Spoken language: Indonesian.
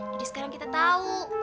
jadi sekarang kita tahu